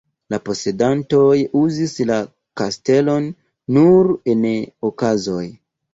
La posedantoj uzis la kastelon nur en okazoj.